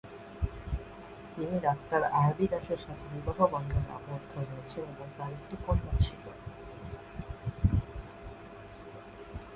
তিনি ডাক্তার R B দাসের সাথে বিবাহবন্ধনে আবদ্ধ হয়েছেন এবং তাঁর একটি কন্যা ছিল।